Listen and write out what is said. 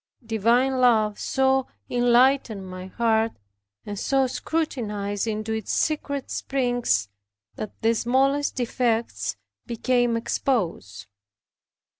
Divine love so enlightened my heart, and so scrutinized into its secret springs, that the smallest defects became exposed.